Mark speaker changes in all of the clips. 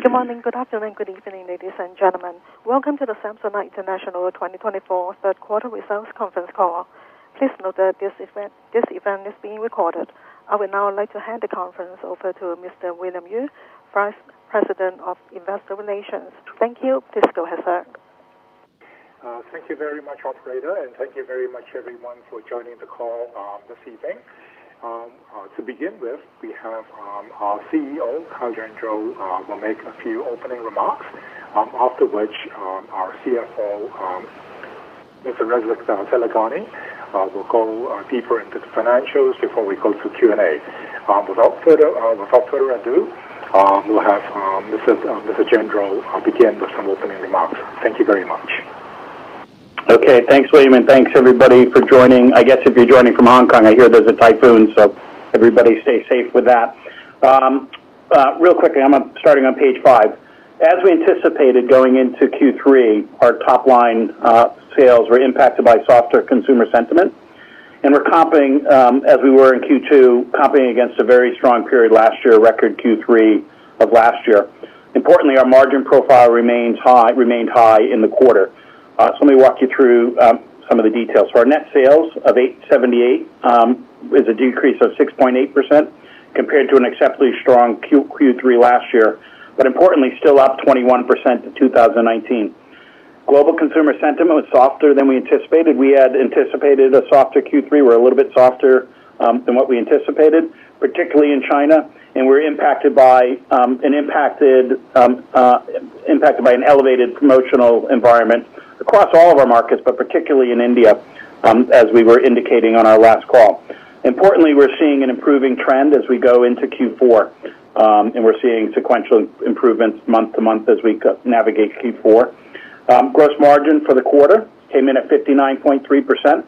Speaker 1: Good morning, good afternoon, good evening, ladies and gentlemen. Welcome to the Samsonite International 2024 third quarter results conference call. Please note that this event is being recorded. I would now like to hand the conference over to Mr. William Yue, President of Investor Relations. Thank you. Please go ahead.
Speaker 2: Thank you very much, Operator, and thank you very much, everyone, for joining the call this evening. To begin with, we have our CEO, Kyle Gendreau, will make a few opening remarks, after which our CFO, Mr. Reza Taleghani, will go deeper into the financials before we go to Q&A. Without further ado, we'll have Mr. Gendreau begin with some opening remarks. Thank you very much.
Speaker 3: Okay. Thanks, William, and thanks, everybody, for joining. I guess if you're joining from Hong Kong, I hear there's a typhoon, so everybody stay safe with that. Really quickly, I'm starting on page five. As we anticipated going into Q3, our top-line sales were impacted by softer consumer sentiment, and we're comping, as we were in Q2, comping against a very strong period last year, record Q3 of last year. Importantly, our margin profile remained high in the quarter. So let me walk you through some of the details. So our net sales of $878 is a decrease of 6.8% compared to an exceptionally strong Q3 last year, but importantly, still up 21% in 2019. Global consumer sentiment was softer than we anticipated. We had anticipated a softer Q3. We're a little bit softer than what we anticipated, particularly in China, and we're impacted by an elevated promotional environment across all of our markets, but particularly in India, as we were indicating on our last call. Importantly, we're seeing an improving trend as we go into Q4, and we're seeing sequential improvements month to month as we navigate Q4. Gross margin for the quarter came in at 59.3%,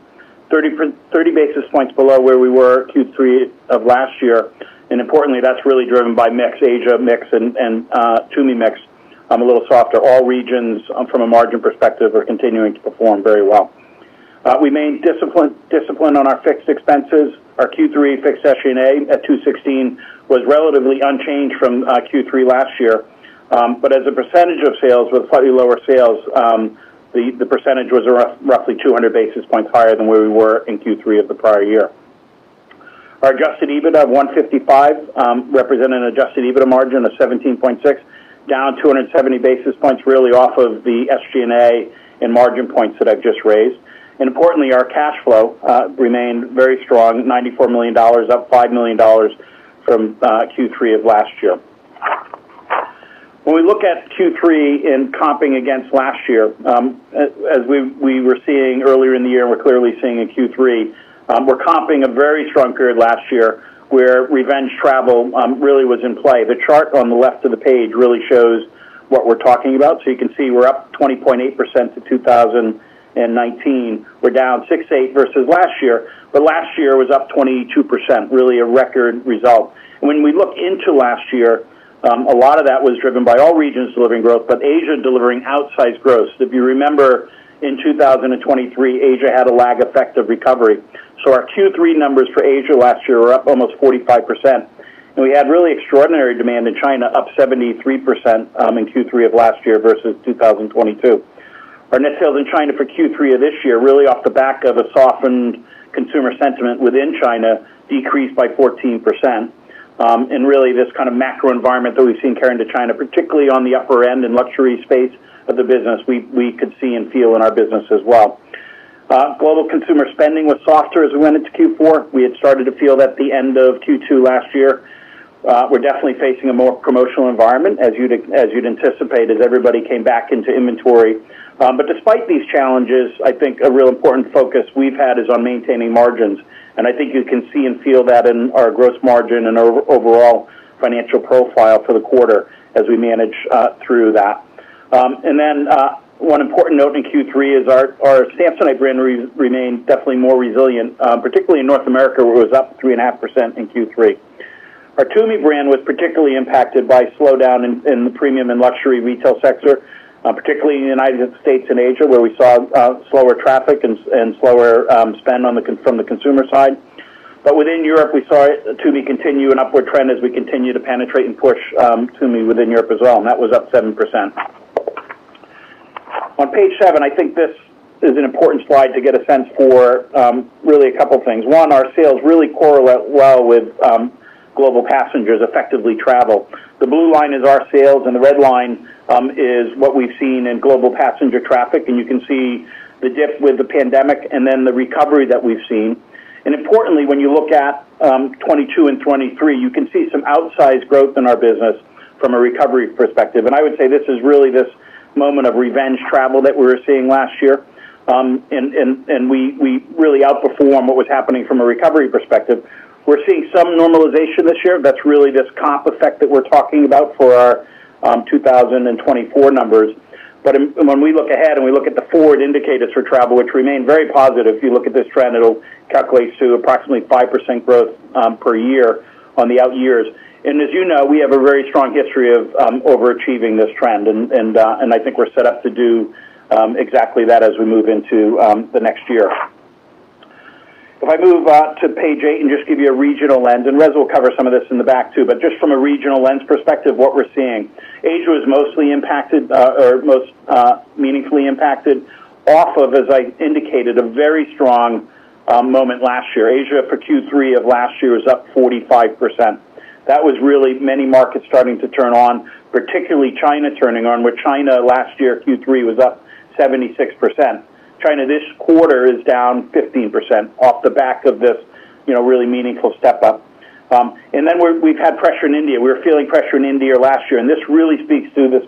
Speaker 3: 30 basis points below where we were Q3 of last year, and importantly, that's really driven by mixed Asia, mixed, and TUMI mixed, a little softer. All regions, from a margin perspective, are continuing to perform very well. We maintained discipline on our fixed expenses. Our Q3 fixed SG&A at $216 was relatively unchanged from Q3 last year, but as a percentage of sales, with slightly lower sales, the percentage was roughly 200 basis points higher than where we were in Q3 of the prior year. Our adjusted EBITDA of $155 represented an adjusted EBITDA margin of 17.6%, down 270 basis points, really off of the SG&A and margin points that I've just raised. And importantly, our cash flow remained very strong, $94 million, up $5 million from Q3 of last year. When we look at Q3 and comping against last year, as we were seeing earlier in the year, and we're clearly seeing in Q3, we're comping a very strong period last year where revenge travel really was in play. The chart on the left of the page really shows what we're talking about. So you can see we're up 20.8% to 2019. We're down 6.8% versus last year, but last year was up 22%, really a record result. When we look into last year, a lot of that was driven by all regions delivering growth, but Asia delivering outsized growth. If you remember, in 2023, Asia had a lag effect of recovery, so our Q3 numbers for Asia last year were up almost 45%, and we had really extraordinary demand in China, up 73% in Q3 of last year versus 2022. Our net sales in China for Q3 of this year, really off the back of a softened consumer sentiment within China, decreased by 14%, and really, this kind of macro environment that we've seen carrying to China, particularly on the upper end and luxury space of the business, we could see and feel in our business as well. Global consumer spending was softer as we went into Q4. We had started to feel that at the end of Q2 last year. We're definitely facing a more promotional environment, as you'd anticipate, as everybody came back into inventory, but despite these challenges, I think a real important focus we've had is on maintaining margins, and I think you can see and feel that in our gross margin and our overall financial profile for the quarter as we manage through that, and then one important note in Q3 is our Samsonite brand remained definitely more resilient, particularly in North America, where it was up 3.5% in Q3. Our TUMI brand was particularly impacted by a slowdown in the premium and luxury retail sector, particularly in the United States and Asia, where we saw slower traffic and slower spend from the consumer side. But within Europe, we saw TUMI continue an upward trend as we continue to penetrate and push TUMI within Europe as well, and that was up 7%. On page seven, I think this is an important slide to get a sense for really a couple of things. One, our sales really correlate well with global passenger traffic. The blue line is our sales, and the red line is what we've seen in global passenger traffic. And you can see the dip with the pandemic and then the recovery that we've seen. And importantly, when you look at 22 and 23, you can see some outsized growth in our business from a recovery perspective. And I would say this is really this moment of revenge travel that we were seeing last year, and we really outperformed what was happening from a recovery perspective. We're seeing some normalization this year. That's really this comp effect that we're talking about for our 2024 numbers. But when we look ahead and we look at the forward indicators for travel, which remain very positive, if you look at this trend, it'll calculate to approximately 5% growth per year on the out years. And as you know, we have a very strong history of overachieving this trend, and I think we're set up to do exactly that as we move into the next year. If I move to page eight and just give you a regional lens, and Reza will cover some of this in the back too, but just from a regional lens perspective, what we're seeing. Asia was mostly impacted or most meaningfully impacted off of, as I indicated, a very strong moment last year. Asia for Q3 of last year was up 45%. That was really many markets starting to turn on, particularly China turning on, where China last year Q3 was up 76%. China this quarter is down 15% off the back of this really meaningful step up. And then we've had pressure in India. We were feeling pressure in India last year, and this really speaks to this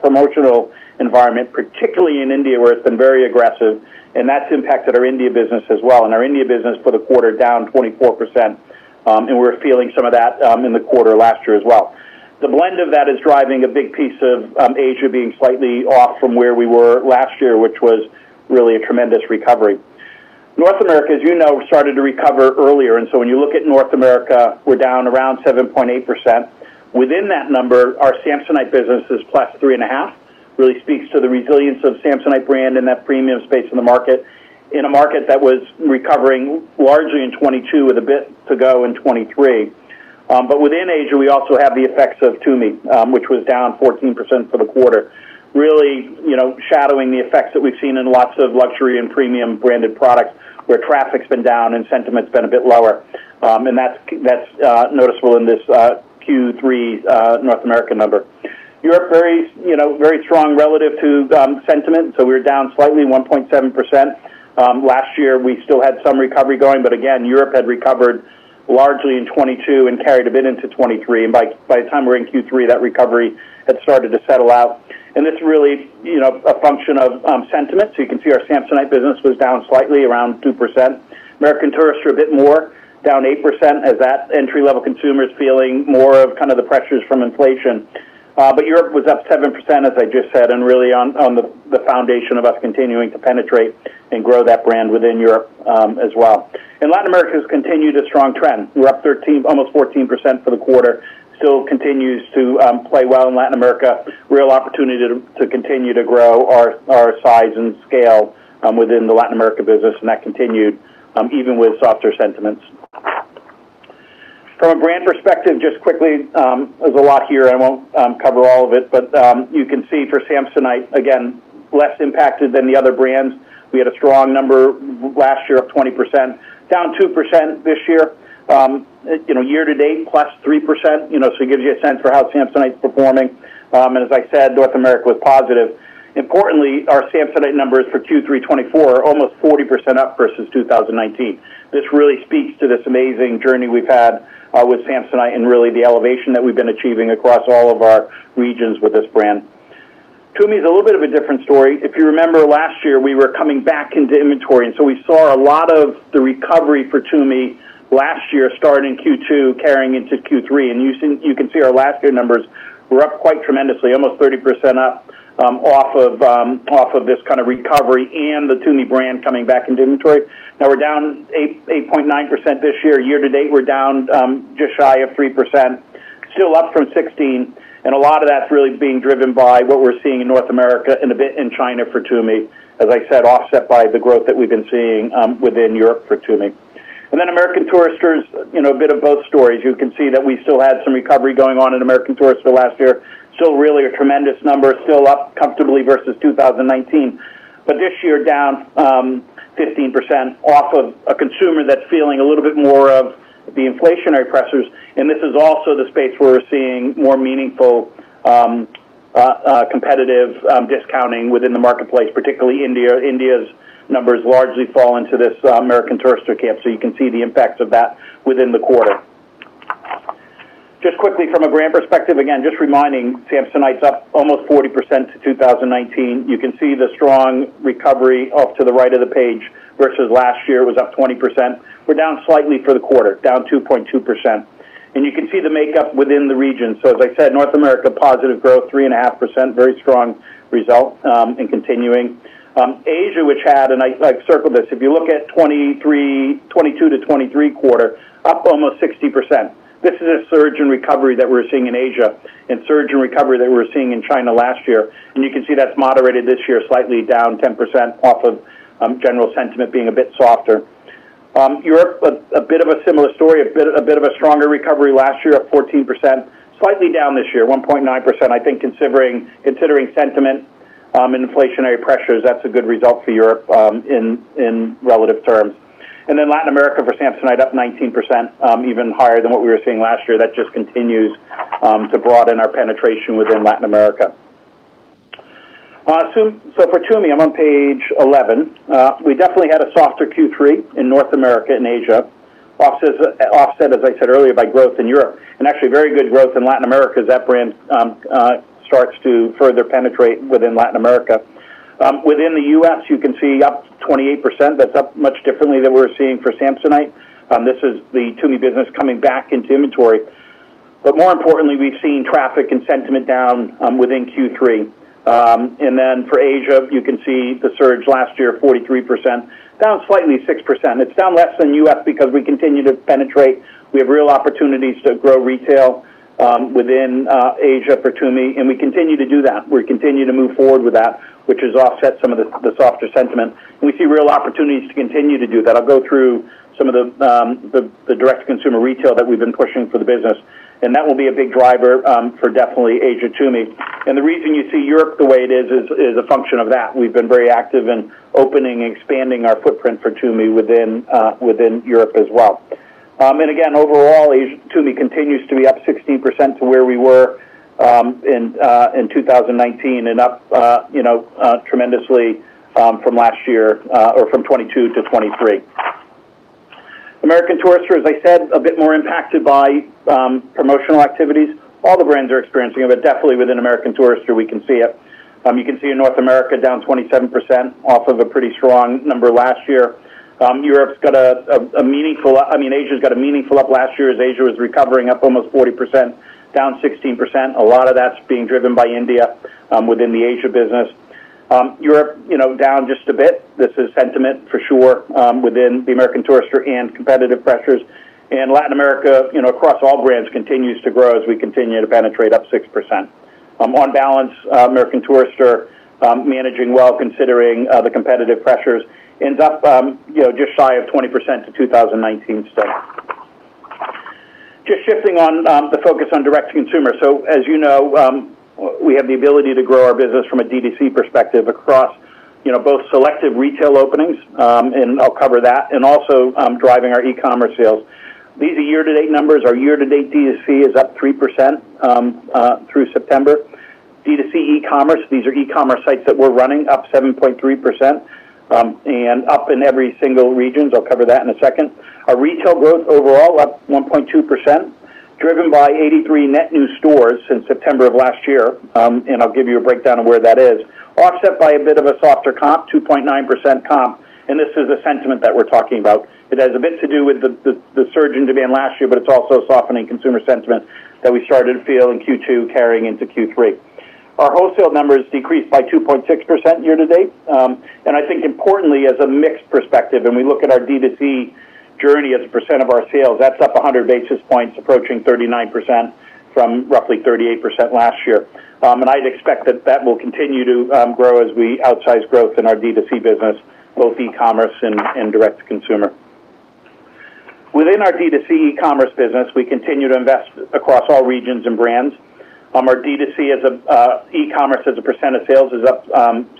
Speaker 3: promotional environment, particularly in India, where it's been very aggressive, and that's impacted our India business as well. And our India business for the quarter down 24%, and we were feeling some of that in the quarter last year as well. The blend of that is driving a big piece of Asia being slightly off from where we were last year, which was really a tremendous recovery. North America, as you know, started to recover earlier, and so when you look at North America, we're down around 7.8%. Within that number, our Samsonite business is plus 3.5%, really speaks to the resilience of Samsonite brand in that premium space in the market, in a market that was recovering largely in 22 with a bit to go in 23 But within Asia, we also have the effects of TUMI, which was down 14% for the quarter, really shadowing the effects that we've seen in lots of luxury and premium branded products where traffic's been down and sentiment's been a bit lower, and that's noticeable in this Q3 North America number. Europe very strong relative to sentiment, so we were down slightly, 1.7%. Last year, we still had some recovery going, but again, Europe had recovered largely in 2022 and carried a bit into 2023, and by the time we were in Q3, that recovery had started to settle out, and it's really a function of sentiment. You can see our Samsonite business was down slightly, around 2%. American Tourister is a bit more, down 8%, as that entry-level consumer is feeling more of kind of the pressures from inflation. Europe was up 7%, as I just said, and really on the foundation of us continuing to penetrate and grow that brand within Europe as well. Latin America has continued a strong trend. We're up 13%, almost 14% for the quarter. It still continues to play well in Latin America. There is real opportunity to continue to grow our size and scale within the Latin America business, and that continued even with softer sentiments. From a brand perspective, just quickly, there's a lot here. I won't cover all of it, but you can see for Samsonite, again, less impacted than the other brands. We had a strong number last year of 20%, down 2% this year. Year to date, plus 3%. So it gives you a sense for how Samsonite's performing. And as I said, North America was positive. Importantly, our Samsonite numbers for Q3 2024 are almost 40% up versus 2019. This really speaks to this amazing journey we've had with Samsonite and really the elevation that we've been achieving across all of our regions with this brand. TUMI's a little bit of a different story. If you remember last year, we were coming back into inventory, and so we saw a lot of the recovery for TUMI last year starting Q2 carrying into Q3. And you can see our last year numbers were up quite tremendously, almost 30% up off of this kind of recovery and the TUMI brand coming back into inventory. Now we're down 8.9% this year. Year to date, we're down just shy of 3%, still up from 16%. A lot of that's really being driven by what we're seeing in North America and a bit in China for TUMI, as I said, offset by the growth that we've been seeing within Europe for TUMI. Then American Touristers, a bit of both stories. You can see that we still had some recovery going on in American Tourist for the last year, still really a tremendous number, still up comfortably versus 2019. But this year, down 15% off of a consumer that's feeling a little bit more of the inflationary pressures. And this is also the space where we're seeing more meaningful competitive discounting within the marketplace, particularly India. India's numbers largely fall into this American Touristers camp, so you can see the impacts of that within the quarter. Just quickly, from a brand perspective, again, just reminding, Samsonite's up almost 40% to 2019. You can see the strong recovery off to the right of the page versus last year, was up 20%. We're down slightly for the quarter, down 2.2%, and you can see the makeup within the region, so as I said, North America, positive growth, 3.5%, very strong result and continuing. Asia, which had, and I've circled this, if you look at 2022 to 2023 quarter, up almost 60%. This is a surge in recovery that we're seeing in Asia and surge in recovery that we were seeing in China last year, and you can see that's moderated this year, slightly down 10% off of general sentiment being a bit softer. Europe, a bit of a similar story, a bit of a stronger recovery last year of 14%, slightly down this year, 1.9%. I think considering sentiment and inflationary pressures, that's a good result for Europe in relative terms. Then Latin America for Samsonite, up 19%, even higher than what we were seeing last year. That just continues to broaden our penetration within Latin America. So for TUMI, I'm on page 11. We definitely had a softer Q3 in North America and Asia, offset, as I said earlier, by growth in Europe. And actually, very good growth in Latin America as that brand starts to further penetrate within Latin America. Within the U.S., you can see up 28%. That's up much differently than we were seeing for Samsonite. This is the TUMI business coming back into inventory. But more importantly, we've seen traffic and sentiment down within Q3. And then for Asia, you can see the surge last year, 43%, down slightly 6%. It's down less than U.S. because we continue to penetrate. We have real opportunities to grow retail within Asia for TUMI, and we continue to do that. We continue to move forward with that, which has offset some of the softer sentiment. And we see real opportunities to continue to do that. I'll go through some of the direct-to-consumer retail that we've been pushing for the business, and that will be a big driver for definitely Asia TUMI. And the reason you see Europe the way it is is a function of that. We've been very active in opening and expanding our footprint for TUMI within Europe as well. And again, overall, TUMI continues to be up 16% to where we were in 2019 and up tremendously from last year or from 2022 to 2023. American Touristers, as I said, a bit more impacted by promotional activities. All the brands are experiencing it, but definitely within American Touristers, we can see it. You can see in North America, down 27% off of a pretty strong number last year. Europe's got a meaningful. I mean, Asia's got a meaningful up last year as Asia was recovering, up almost 40%, down 16%. A lot of that's being driven by India within the Asia business. Europe down just a bit. This is sentiment for sure within American Tourister and competitive pressures. And Latin America, across all brands, continues to grow as we continue to penetrate up 6%. On balance, American Tourister is managing well, considering the competitive pressures, and up just shy of 20% to 2019 still. Just shifting on the focus on direct-to-consumer. So as you know, we have the ability to grow our business from a DTC perspective across both selective retail openings, and I'll cover that, and also driving our e-commerce sales. These are year-to-date numbers. Our year-to-date DTC is up 3% through September. DTC e-commerce, these are e-commerce sites that we're running, up 7.3% and up in every single region. I'll cover that in a second. Our retail growth overall, up 1.2%, driven by 83 net new stores since September of last year, and I'll give you a breakdown of where that is. Offset by a bit of a softer comp, 2.9% comp, and this is the sentiment that we're talking about. It has a bit to do with the surge in demand last year, but it's also softening consumer sentiment that we started to feel in Q2 carrying into Q3. Our wholesale numbers decreased by 2.6% year to date. I think importantly, as a mixed perspective, and we look at our DTC journey as a percent of our sales, that's up 100 basis points, approaching 39% from roughly 38% last year. I'd expect that that will continue to grow as we outsize growth in our DTC business, both e-commerce and direct-to-consumer. Within our DTC e-commerce business, we continue to invest across all regions and brands. Our DTC e-commerce as a percent of sales is up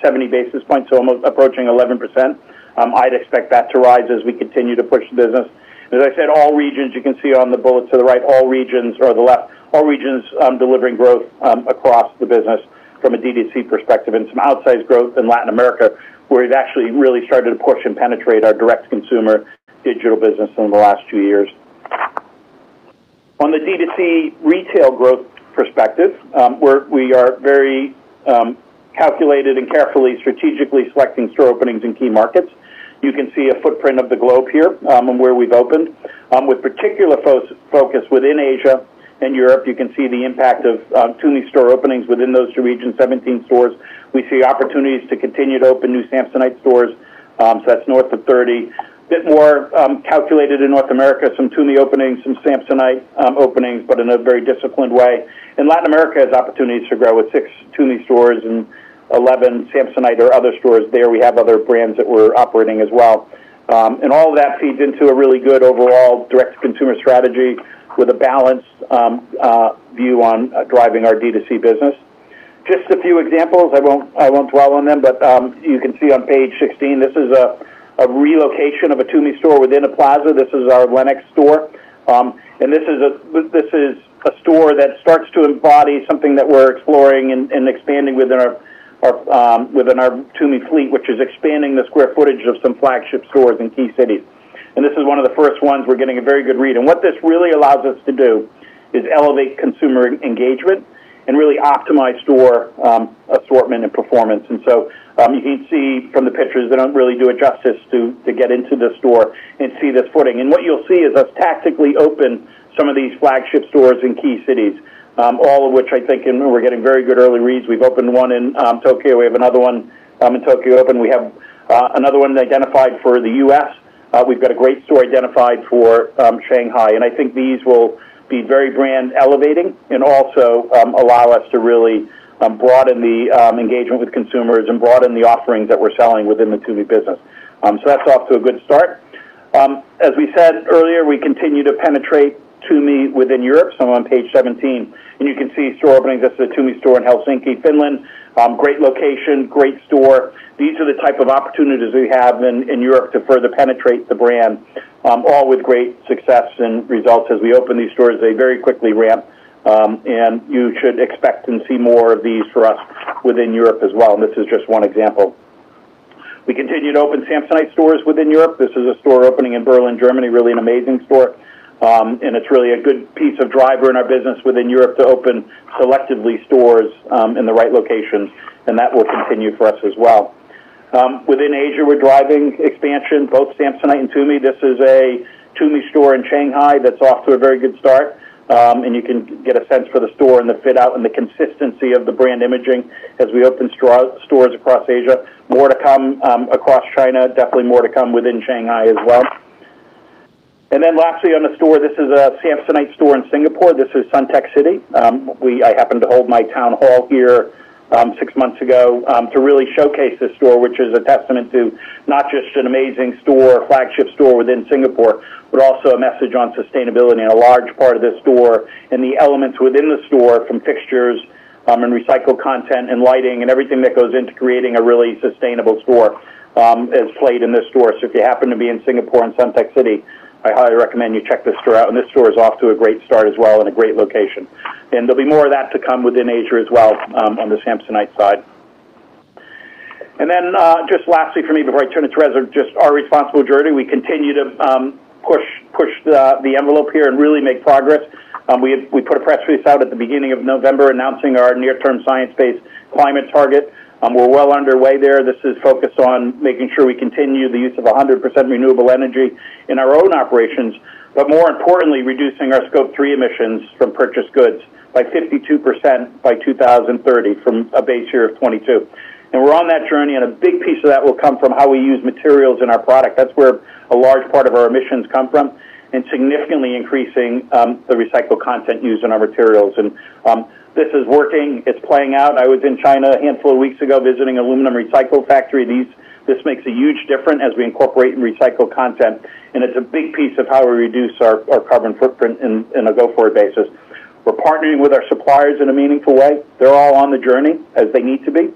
Speaker 3: 70 basis points, so almost approaching 11%. I'd expect that to rise as we continue to push the business. As I said, all regions, you can see on the bullets to the right, all regions or the left, all regions delivering growth across the business from a DTC perspective and some outsized growth in Latin America, where we've actually really started to push and penetrate our direct-to-consumer digital business in the last few years. On the DTC retail growth perspective, we are very calculated and carefully strategically selecting store openings in key markets. You can see a footprint of the globe here on where we've opened, with particular focus within Asia and Europe. You can see the impact of TUMI store openings within those two regions, 17 stores. We see opportunities to continue to open new Samsonite stores, so that's north of 30. A bit more calculated in North America, some TUMI openings, some Samsonite openings, but in a very disciplined way. Latin America has opportunities to grow with six TUMI stores and 11 Samsonite or other stores there. We have other brands that we're operating as well. All of that feeds into a really good overall direct-to-consumer strategy with a balanced view on driving our DTC business. Just a few examples. I won't dwell on them, but you can see on page 16. This is a relocation of a TUMI store within a plaza. This is our Lenox store. This is a store that starts to embody something that we're exploring and expanding within our TUMI fleet, which is expanding the square footage of some flagship stores in key cities. This is one of the first ones we're getting a very good read. What this really allows us to do is elevate consumer engagement and really optimize store assortment and performance. And so you can see from the pictures, they don't really do it justice to get into the store and see this footing. And what you'll see is us tactically open some of these flagship stores in key cities, all of which I think we're getting very good early reads. We've opened one in Tokyo. We have another one in Tokyo open. We have another one identified for the U.S.. We've got a great store identified for Shanghai. And I think these will be very brand-elevating and also allow us to really broaden the engagement with consumers and broaden the offerings that we're selling within the TUMI business. So that's off to a good start. As we said earlier, we continue to penetrate TUMI within Europe. So I'm on page 17, and you can see store openings. This is a TUMI store in Helsinki, Finland. Great location, great store. These are the type of opportunities we have in Europe to further penetrate the brand, all with great success and results as we open these stores very quickly, ramp, and you should expect and see more of these for us within Europe as well, and this is just one example. We continue to open Samsonite stores within Europe. This is a store opening in Berlin, Germany, really an amazing store, and it's really a good piece of driver in our business within Europe to open selectively stores in the right locations, and that will continue for us as well. Within Asia, we're driving expansion, both Samsonite and TUMI. This is a TUMI store in Shanghai that's off to a very good start, and you can get a sense for the store and the fit-out and the consistency of the brand imaging as we open stores across Asia. More to come across China, definitely more to come within Shanghai as well. And then lastly on the store, this is a Samsonite store in Singapore. This is Suntec City. I happened to hold my town hall here six months ago to really showcase this store, which is a testament to not just an amazing store, flagship store within Singapore, but also a message on sustainability. And a large part of this store and the elements within the store, from fixtures and recycled content and lighting and everything that goes into creating a really sustainable store, has played in this store. So if you happen to be in Singapore and Suntec City, I highly recommend you check this store out. And this store is off to a great start as well and a great location. There'll be more of that to come within Asia as well on the Samsonite side. Then just lastly for me, before I turn it to Reza, just our responsible journey. We continue to push the envelope here and really make progress. We put a press release out at the beginning of November announcing our near-term science-based climate target. We're well underway there. This is focused on making sure we continue the use of 100% renewable energy in our own operations, but more importantly, reducing our Scope 3 emissions from purchased goods by 52% by 2030 from a base year of 2022. And we're on that journey, and a big piece of that will come from how we use materials in our product. That's where a large part of our emissions come from and significantly increasing the recycled content used in our materials. And this is working. It's playing out. I was in China a handful of weeks ago visiting an aluminum recycling factory. This makes a huge difference as we incorporate recycled content. And it's a big piece of how we reduce our carbon footprint on a go-forward basis. We're partnering with our suppliers in a meaningful way. They're all on the journey as they need to be.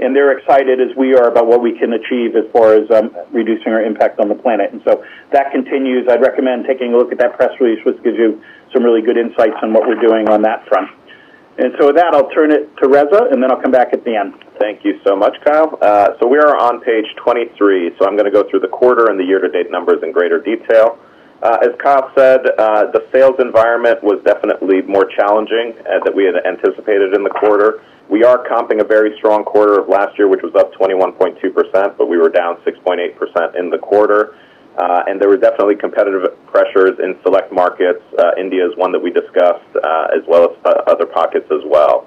Speaker 3: And they're excited as we are about what we can achieve as far as reducing our impact on the planet. And so that continues. I'd recommend taking a look at that press release, which gives you some really good insights on what we're doing on that front. And so with that, I'll turn it to Reza, and then I'll come back at the end.
Speaker 4: Thank you so much, Kyle. So we are on page 23. So I'm going to go through the quarter and the year-to-date numbers in greater detail. As Kyle said, the sales environment was definitely more challenging than we had anticipated in the quarter. We are comping a very strong quarter of last year, which was up 21.2%, but we were down 6.8% in the quarter. And there were definitely competitive pressures in select markets. India is one that we discussed, as well as other pockets as well.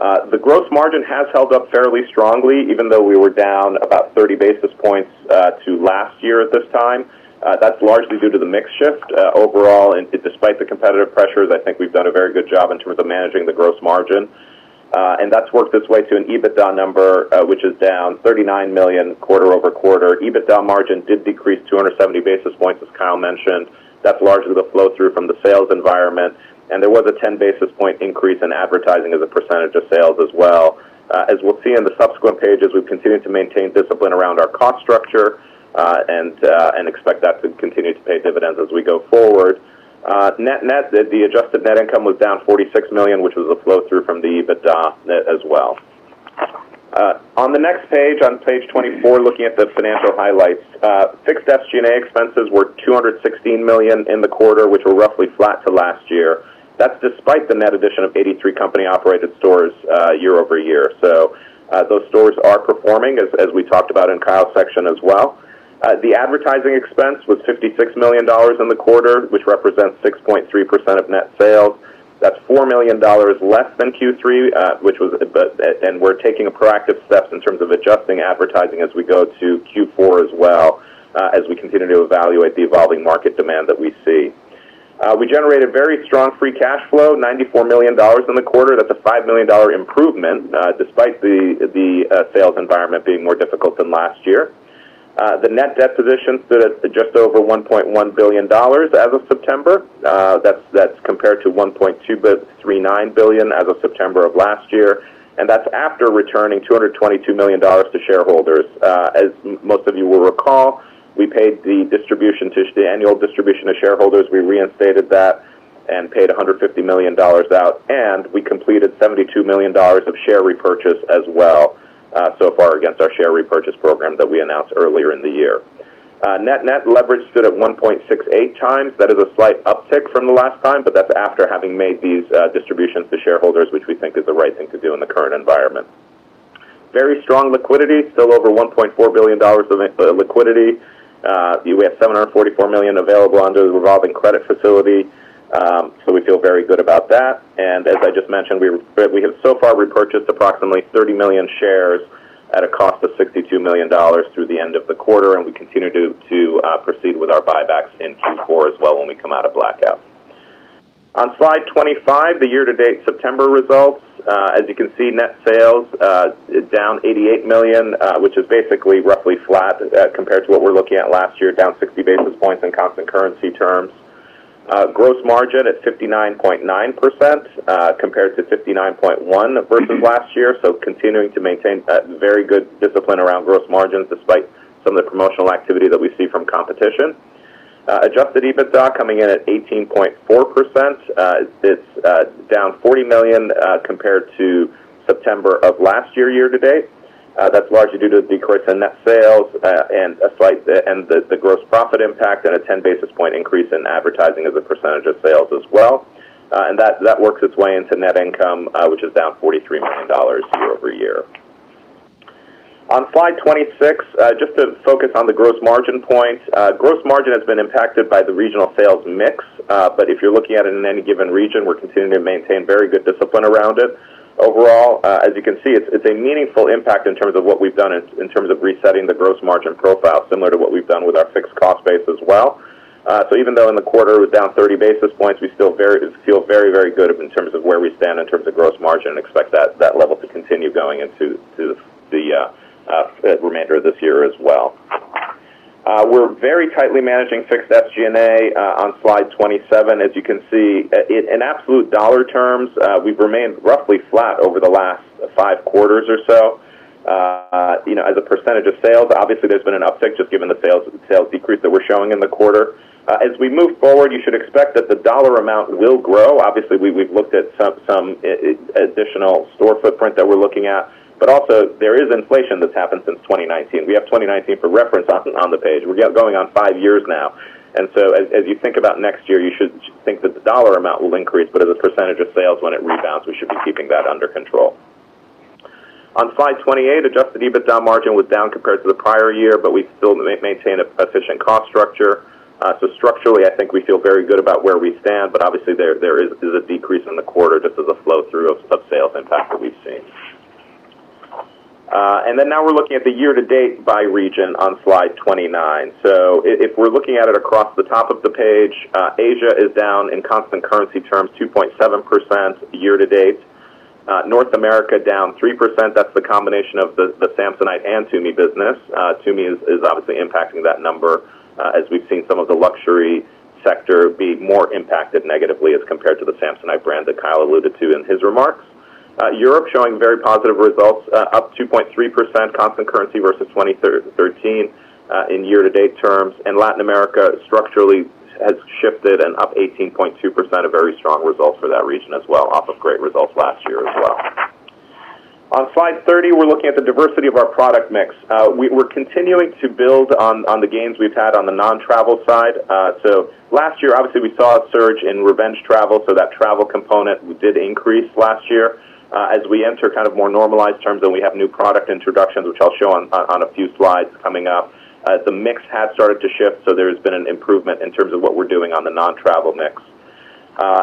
Speaker 4: The gross margin has held up fairly strongly, even though we were down about 30 basis points to last year at this time. That's largely due to the mix shift. Overall, and despite the competitive pressures, I think we've done a very good job in terms of managing the gross margin. And that's worked its way to an EBITDA number, which is down $39 million quarter over quarter. EBITDA margin did decrease 270 basis points, as Kyle mentioned. That's largely the flow-through from the sales environment. And there was a 10 basis point increase in advertising as a percentage of sales as well. As we'll see on the subsequent pages, we've continued to maintain discipline around our cost structure and expect that to continue to pay dividends as we go forward. Net net, the adjusted net income was down $46 million, which was a flow-through from the EBITDA net as well. On the next page, on page 24, looking at the financial highlights, fixed SG&A expenses were $216 million in the quarter, which were roughly flat to last year. That's despite the net addition of 83 company-operated stores year over year. So those stores are performing, as we talked about in Kyle's section as well. The advertising expense was $56 million in the quarter, which represents 6.3% of net sales. That's $4 million less than Q3, and we're taking proactive steps in terms of adjusting advertising as we go to Q4 as well, as we continue to evaluate the evolving market demand that we see. We generated very strong free cash flow, $94 million in the quarter. That's a $5 million improvement, despite the sales environment being more difficult than last year. The net debt position stood at just over $1.1 billion as of September. That's compared to $1.39 billion as of September of last year. And that's after returning $222 million to shareholders. As most of you will recall, we paid the annual distribution to shareholders. We reinstated that and paid $150 million out. And we completed $72 million of share repurchase as well so far against our share repurchase program that we announced earlier in the year. Net net leverage stood at 1.68 times. That is a slight uptick from the last time, but that's after having made these distributions to shareholders, which we think is the right thing to do in the current environment. Very strong liquidity, still over $1.4 billion of liquidity. We have $744 million available under the revolving credit facility, so we feel very good about that. And as I just mentioned, we have so far repurchased approximately 30 million shares at a cost of $62 million through the end of the quarter, and we continue to proceed with our buybacks in Q4 as well when we come out of blackout. On slide 25, the year-to-date September results. As you can see, net sales down $88 million, which is basically roughly flat compared to what we're looking at last year, down 60 basis points in constant currency terms. Gross margin at 59.9% compared to 59.1% versus last year, so continuing to maintain very good discipline around gross margins despite some of the promotional activity that we see from competition. Adjusted EBITDA coming in at 18.4%. It's down $40 million compared to September of last year year-to-date. That's largely due to the decrease in net sales and the gross profit impact and a 10 basis point increase in advertising as a percentage of sales as well, and that works its way into net income, which is down $43 million year over year. On slide 26, just to focus on the gross margin point. Gross margin has been impacted by the regional sales mix, but if you're looking at it in any given region, we're continuing to maintain very good discipline around it. Overall, as you can see, it's a meaningful impact in terms of what we've done in terms of resetting the gross margin profile, similar to what we've done with our fixed cost base as well. So even though in the quarter it was down 30 basis points, we still feel very, very good in terms of where we stand in terms of gross margin and expect that level to continue going into the remainder of this year as well. We're very tightly managing fixed SG&A. On slide 27, as you can see, in absolute dollar terms, we've remained roughly flat over the last five quarters or so. As a percentage of sales, obviously there's been an uptick just given the sales decrease that we're showing in the quarter. As we move forward, you should expect that the dollar amount will grow. Obviously, we've looked at some additional store footprint that we're looking at, but also there is inflation that's happened since 2019. We have 2019 for reference on the page. We're going on five years now, and so as you think about next year, you should think that the dollar amount will increase, but as a percentage of sales when it rebounds, we should be keeping that under control. On Slide 28, Adjusted EBITDA margin was down compared to the prior year, but we still maintain a sufficient cost structure. So structurally, I think we feel very good about where we stand, but obviously there is a decrease in the quarter just as a flow-through of sales impact that we've seen. And then now we're looking at the year-to-date by region on slide 29. So if we're looking at it across the top of the page, Asia is down in constant currency terms 2.7% year-to-date. North America down 3%. That's the combination of the Samsonite and TUMI business. TUMI is obviously impacting that number as we've seen some of the luxury sector be more impacted negatively as compared to the Samsonite brand that Kyle alluded to in his remarks. Europe showing very positive results, up 2.3% constant currency versus 2023 in year-to-date terms. And Latin America structurally has shifted and up 18.2%, a very strong result for that region as well, off of great results last year as well. On slide 30, we're looking at the diversity of our product mix. We're continuing to build on the gains we've had on the non-travel side. So last year, obviously we saw a surge in revenge travel. So that travel component did increase last year. As we enter kind of more normalized terms and we have new product introductions, which I'll show on a few slides coming up, the mix has started to shift. So there has been an improvement in terms of what we're doing on the non-travel mix.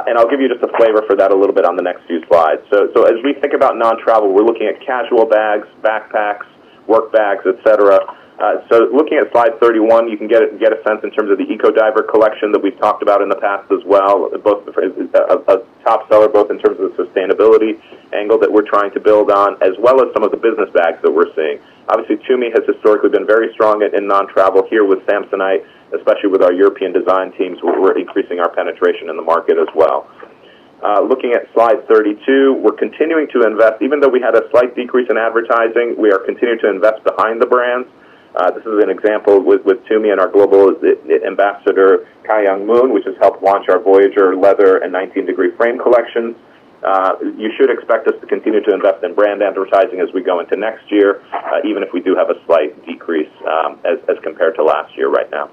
Speaker 4: And I'll give you just a flavor for that a little bit on the next few slides. So as we think about non-travel, we're looking at casual bags, backpacks, work bags, etc. Looking at slide 31, you can get a sense in terms of the Ecodiver collection that we've talked about in the past as well, both a top seller, both in terms of the sustainability angle that we're trying to build on, as well as some of the business bags that we're seeing. Obviously, TUMI has historically been very strong in non-travel here with Samsonite, especially with our European design teams. We're increasing our penetration in the market as well. Looking at slide 32, we're continuing to invest. Even though we had a slight decrease in advertising, we are continuing to invest behind the brands. This is an example with TUMI and our global ambassador, Mun Ka Young, which has helped launch our Voyageur leather and 19 Degree Frame collections. You should expect us to continue to invest in brand advertising as we go into next year, even if we do have a slight decrease as compared to last year right now.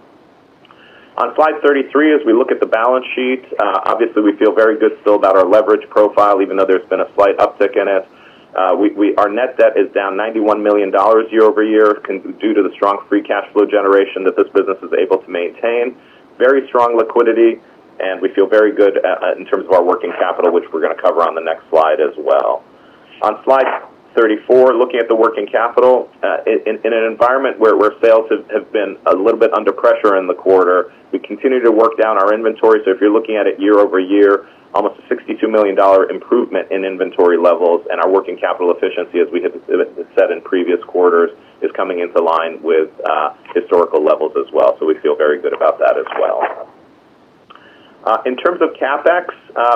Speaker 4: On slide 33, as we look at the balance sheet, obviously we feel very good still about our leverage profile, even though there's been a slight uptick in it. Our net debt is down $91 million year over year due to the strong free cash flow generation that this business is able to maintain. Very strong liquidity, and we feel very good in terms of our working capital, which we're going to cover on the next slide as well. On slide 34, looking at the working capital, in an environment where sales have been a little bit under pressure in the quarter, we continue to work down our inventory. So if you're looking at it year over year, almost a $62 million improvement in inventory levels. And our working capital efficiency, as we had said in previous quarters, is coming into line with historical levels as well. So we feel very good about that as well. In terms of CapEx,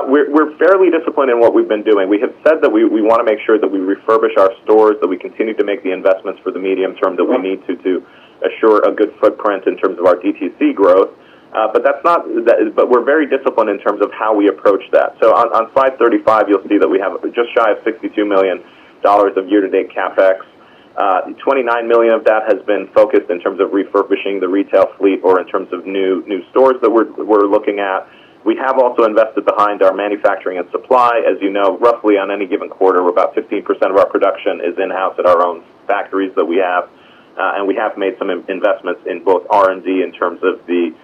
Speaker 4: we're fairly disciplined in what we've been doing. We have said that we want to make sure that we refurbish our stores, that we continue to make the investments for the medium term that we need to assure a good footprint in terms of our DTC growth. But we're very disciplined in terms of how we approach that. So on slide 35, you'll see that we have just shy of $62 million of year-to-date CapEx. $29 million of that has been focused in terms of refurbishing the retail fleet or in terms of new stores that we're looking at. We have also invested behind our manufacturing and supply. As you know, roughly on any given quarter, about 15% of our production is in-house at our own factories that we have. And we have made some investments in both R&D in terms of the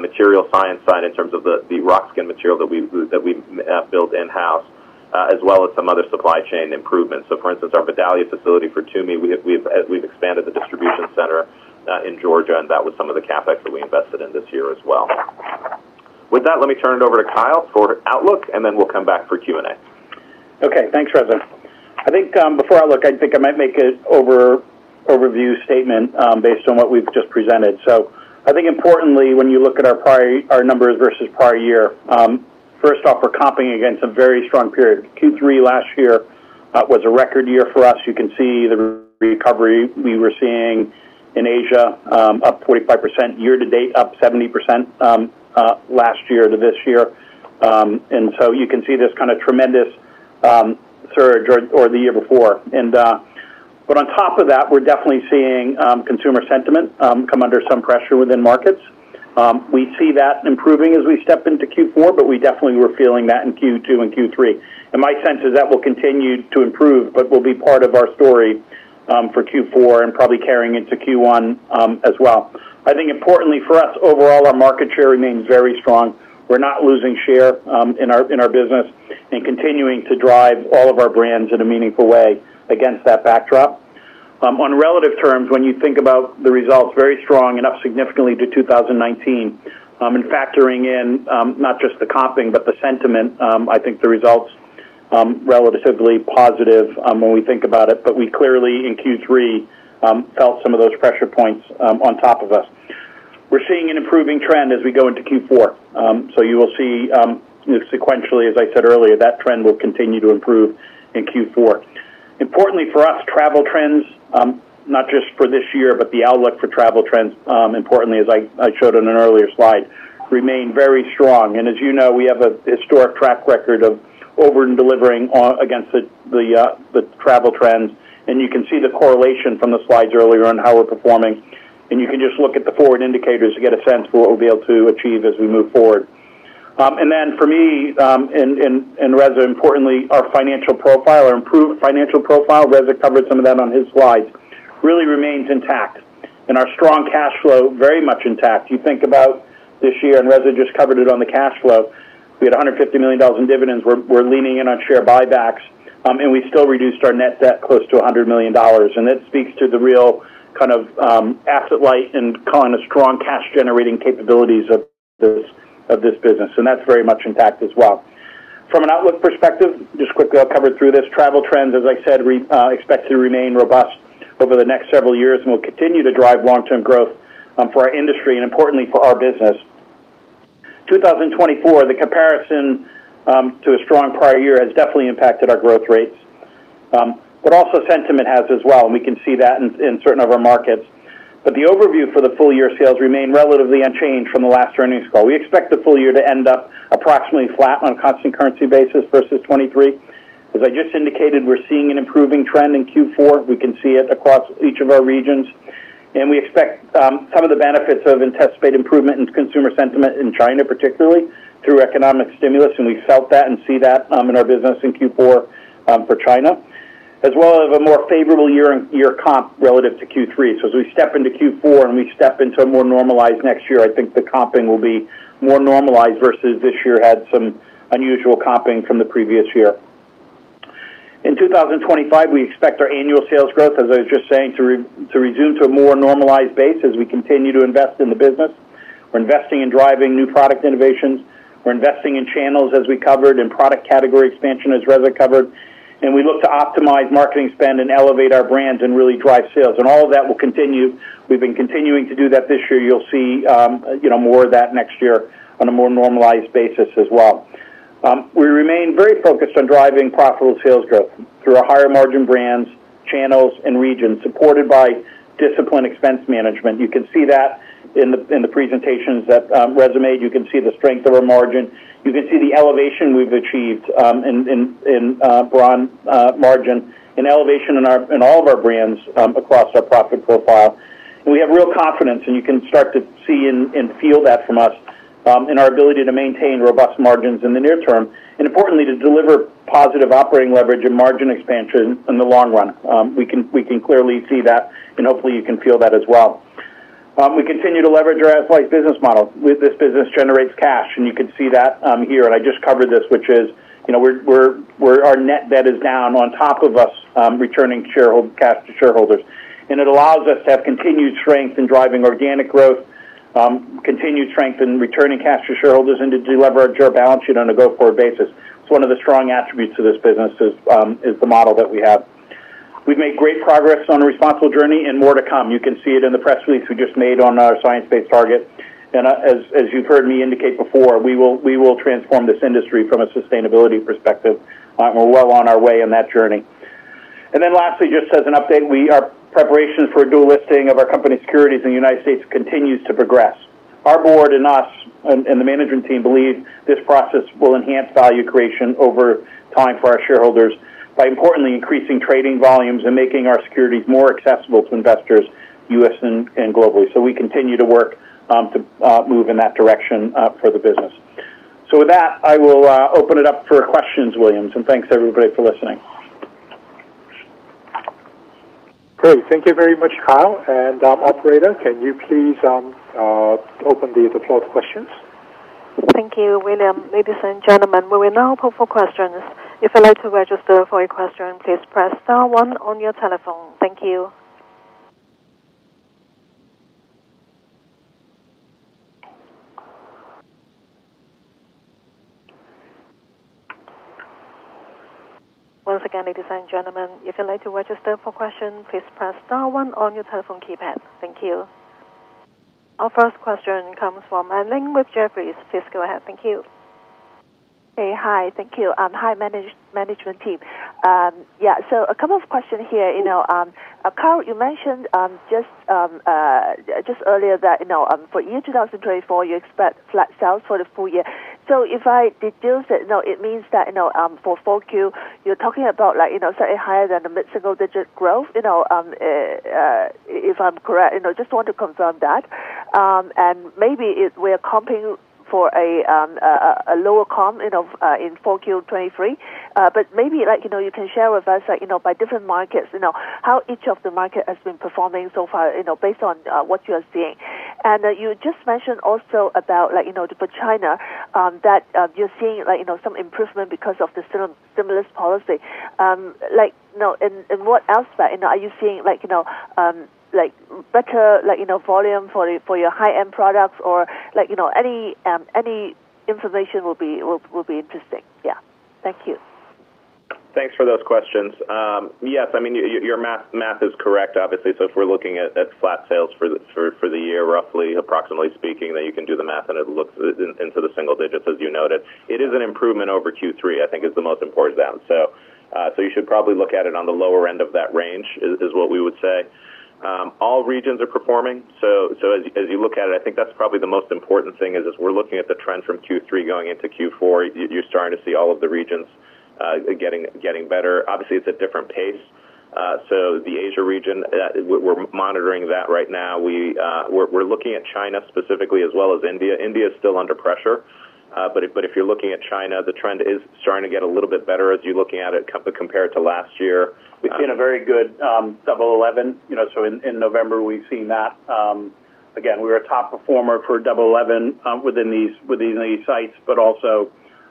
Speaker 4: material science side, in terms of the Roxkin material that we build in-house, as well as some other supply chain improvements. So for instance, our Vidalia facility for TUMI, we've expanded the distribution center in Georgia, and that was some of the CapEx that we invested in this year as well. With that, let me turn it over to Kyle for Outlook, and then we'll come back for Q&A.
Speaker 3: Okay. Thanks, Reza. I think before Outlook, I think I might make an overview statement based on what we've just presented. So I think importantly, when you look at our numbers versus prior year, first off, we're comping against a very strong period. Q3 last year was a record year for us. You can see the recovery we were seeing in Asia, up 45%, year-to-date up 70% last year to this year. And so you can see this kind of tremendous surge or the year before. But on top of that, we're definitely seeing consumer sentiment come under some pressure within markets. We see that improving as we step into Q4, but we definitely were feeling that in Q2 and Q3. And my sense is that will continue to improve, but will be part of our story for Q4 and probably carrying into Q1 as well. I think importantly for us, overall, our market share remains very strong. We're not losing share in our business and continuing to drive all of our brands in a meaningful way against that backdrop. On relative terms, when you think about the results, very strong and up significantly to 2019. And factoring in not just the comping, but the sentiment, I think the results are relatively positive when we think about it. But we clearly in Q3 felt some of those pressure points on top of us. We're seeing an improving trend as we go into Q4. So you will see sequentially, as I said earlier, that trend will continue to improve in Q4. Importantly for us, travel trends, not just for this year, but the outlook for travel trends, importantly, as I showed on an earlier slide, remain very strong. As you know, we have a historic track record of overdelivering against the travel trends. You can see the correlation from the slides earlier on how we're performing. You can just look at the forward indicators to get a sense of what we'll be able to achieve as we move forward. Then for me, and Reza, importantly, our financial profile, our improved financial profile, Reza covered some of that on his slides, really remains intact. Our strong cash flow very much intact. You think about this year, and Reza just covered it on the cash flow. We had $150 million in dividends. We're leaning in on share buybacks. We still reduced our net debt close to $100 million. That speaks to the real kind of asset light and kind of strong cash-generating capabilities of this business. And that's very much intact as well. From an Outlook perspective, just quickly I'll cover through this. Travel trends, as I said, we expect to remain robust over the next several years and will continue to drive long-term growth for our industry and importantly for our business. 2024, the comparison to a strong prior year has definitely impacted our growth rates, but also sentiment has as well. And we can see that in certain of our markets. But the overview for the full year sales remained relatively unchanged from the last earnings call. We expect the full year to end up approximately flat on a constant currency basis versus 2023. As I just indicated, we're seeing an improving trend in Q4. We can see it across each of our regions. And we expect some of the benefits of anticipated improvement in consumer sentiment in China, particularly through economic stimulus. And we felt that and see that in our business in Q4 for China, as well as a more favorable year-to-year comp relative to Q3. So as we step into Q4 and we step into a more normalized next year, I think the comping will be more normalized versus this year had some unusual comping from the previous year. In 2025, we expect our annual sales growth, as I was just saying, to resume to a more normalized base as we continue to invest in the business. We're investing in driving new product innovations. We're investing in channels, as we covered, and product category expansion, as Reza covered. And we look to optimize marketing spend and elevate our brands and really drive sales. And all of that will continue. We've been continuing to do that this year. You'll see more of that next year on a more normalized basis as well. We remain very focused on driving profitable sales growth through our higher margin brands, channels, and regions supported by disciplined expense management. You can see that in the presentations that resume. You can see the strength of our margin. You can see the elevation we've achieved in margin, an elevation in all of our brands across our profit profile, and we have real confidence, and you can start to see and feel that from us in our ability to maintain robust margins in the near term, and importantly, to deliver positive operating leverage and margin expansion in the long run. We can clearly see that, and hopefully you can feel that as well. We continue to leverage our asset-light business model. This business generates cash, and you can see that here. I just covered this, which is our net debt is down on top of us returning cash to shareholders. It allows us to have continued strength in driving organic growth, continued strength in returning cash to shareholders, and to deliver our share balance sheet on a go-forward basis. It's one of the strong attributes of this business is the model that we have. We've made great progress on a responsible journey and more to come. You can see it in the press release we just made on our science-based target. As you've heard me indicate before, we will transform this industry from a sustainability perspective. We're well on our way on that journey. Lastly, just as an update, our preparations for dual listing of our company securities in the United States continues to progress. Our board and us and the management team believe this process will enhance value creation over time for our shareholders by importantly increasing trading volumes and making our securities more accessible to investors, U.S. and globally. So we continue to work to move in that direction for the business. So with that, I will open it up for questions, William. And thanks everybody for listening.
Speaker 2: Great. Thank you very much, Kyle. And Operator, can you please open the floor to questions?
Speaker 1: Thank you, William. Ladies and gentlemen, we will now open for questions. If you'd like to register for a question, please press star one on your telephone. Thank you. Once again, ladies and gentlemen, if you'd like to register for questions, please press star one on your telephone keypad. Thank you. Our first question comes from Madeleine with Jefferies. Please go ahead. Thank you. Hey, hi. Thank you. Hi, management team. Yeah. So a couple of questions here. Kyle, you mentioned just earlier that for year 2024, you expect flat sales for the full year. So if I deduced it, it means that for 4Q, you're talking about slightly higher than the mid-single digit growth, if I'm correct. Just want to confirm that. And maybe we're comping for a lower comp in 4Q 2023. But maybe you can share with us by different markets how each of the markets has been performing so far based on what you are seeing. And you just mentioned also about for China that you're seeing some improvement because of the stimulus policy. In what aspect are you seeing better volume for your high-end products or any information will be interesting? Yeah. Thank you.
Speaker 4: Thanks for those questions. Yes. I mean, your math is correct, obviously. So if we're looking at flat sales for the year, roughly, approximately speaking, then you can do the math and it looks into the single digits, as you noted. It is an improvement over Q3, I think, is the most important thing. So you should probably look at it on the lower end of that range is what we would say. All regions are performing. So as you look at it, I think that's probably the most important thing is we're looking at the trend from Q3 going into Q4. You're starting to see all of the regions getting better. Obviously, it's a different pace. So the Asia region, we're monitoring that right now. We're looking at China specifically as well as India. India is still under pressure. But if you're looking at China, the trend is starting to get a little bit better as you're looking at it compared to last year.
Speaker 3: We've seen a very good Double 11. So in November, we've seen that. Again, we were a top performer for Double 11 within these sites, but also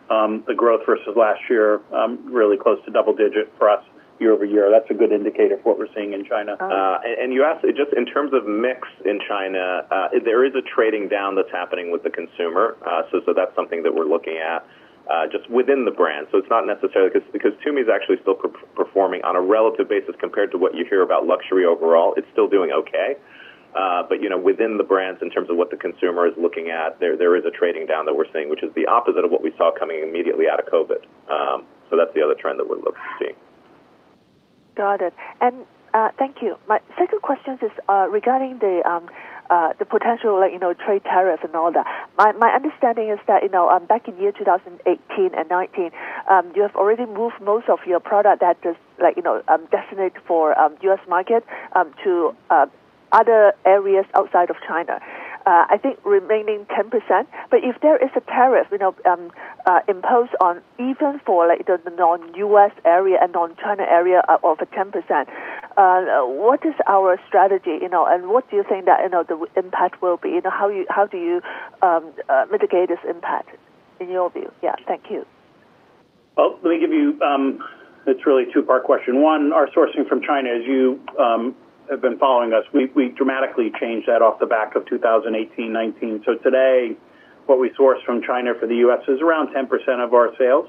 Speaker 3: the growth versus last year, really close to double digit for us year over year. That's a good indicator for what we're seeing in China.
Speaker 4: You asked just in terms of mix in China, there is a trading down that's happening with the consumer. That's something that we're looking at just within the brand. It's not necessarily because TUMI is actually still performing on a relative basis compared to what you hear about luxury overall. It's still doing okay. Within the brands, in terms of what the consumer is looking at, there is a trading down that we're seeing, which is the opposite of what we saw coming immediately out of COVID. That's the other trend that we're looking to see. Got it and thank you. My second question is regarding the potential trade tariffs and all that. My understanding is that back in year 2018 and 2019, you have already moved most of your product that is destined for U.S. market to other areas outside of China. I think remaining 10%. But if there is a tariff imposed on even for the non-U.S. area and non-China area of 10%, what is our strategy? And what do you think that the impact will be? How do you mitigate this impact in your view? Yeah. Thank you.
Speaker 3: Well, let me give you. It's really a two-part question. One, our sourcing from China, as you have been following us, we dramatically changed that off the back of 2018, 2019. So today, what we source from China for the U.S. is around 10% of our sales.